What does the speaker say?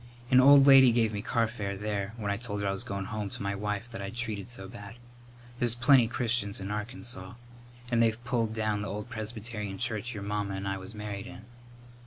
An old lady give me carfare, there, when I told her I was goin' home to my wife that I'd treated so bad. There's plenty Christians in Arkansaw. And they've pulled down the old Presbyterian church your mamma and I was married in."